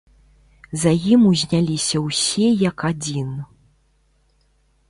За ім узняліся ўсе як адзін.